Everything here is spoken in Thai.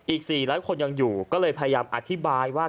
อีก๔๐๐คนยังอยู่ก็เลยพยายามอธิบายว่า